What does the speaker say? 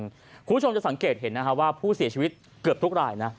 คุณผู้ชมจะสังเกตเห็นนะคะว่าผู้เสียชีวิตเกือบทุกรายนะ